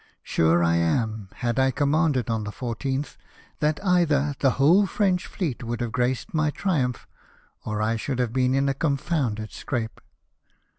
Sure I am, had I commanded on the 14th, that either the whole French fleet would have graced my triumph, or I should have been in a confounded scrape."